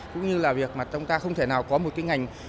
cũng như là việc mà chúng ta không thể nào có một cái ngành